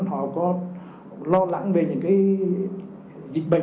họ có lo lắng về những cái dịch bệnh